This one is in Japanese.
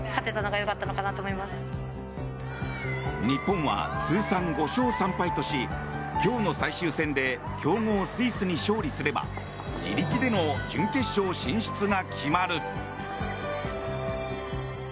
日本は通算５勝３敗とし今日の最終戦で強豪スイスに勝利すれば自力での準決勝進出が決まる。